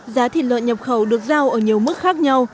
giá thịt lợn nhập khẩu được giao ở nhiều mức khác nhau